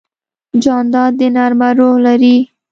جانداد د نرمه روح لري.